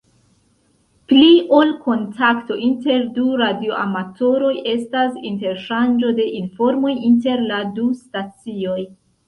Pli ol kontakto inter du radioamatoroj estas interŝanĝo de informoj inter la du stacioj.